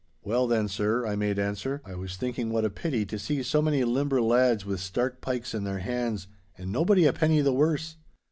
'Well then, sir,' I made answer, 'I was thinking what a pity to see so many limber lads with stark pikes in their hands, and nobody a penny the worse!